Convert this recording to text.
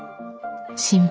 心配。